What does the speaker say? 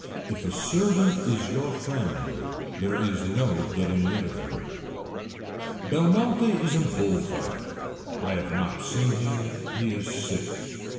If a servant is your friend there is no getting rid of her. Belmonte is a bull fighter. I have not seen him. He is sick.